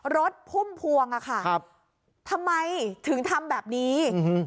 พุ่มพวงอ่ะค่ะครับทำไมถึงทำแบบนี้